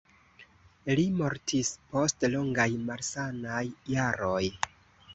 Li mortis post longaj malsanaj jaroj.